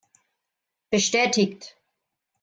Bestätigt!